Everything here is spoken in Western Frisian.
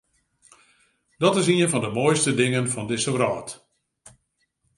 Dat is ien fan de moaiste dingen fan dizze wrâld.